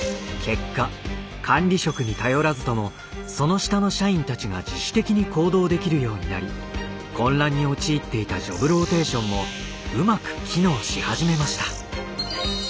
結果管理職に頼らずともその下の社員たちが自主的に行動できるようになり混乱に陥っていたジョブローテーションもうまく機能し始めました。